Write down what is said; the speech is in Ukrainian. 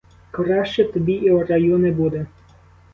Краще тобі і в раю не буде.